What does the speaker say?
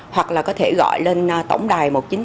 hoặc là có thể tìm hiểu thêm thông tin thơ bao của khách hàng